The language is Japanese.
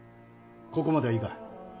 ここまではいいか？